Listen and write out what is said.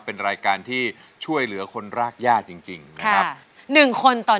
เป็นรายการที่ช่วยเหลือคนรากยากจริงนะครับ